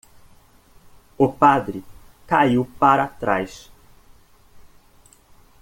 O padre caiu para trás.